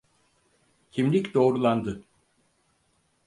Kimlik doğrulandı.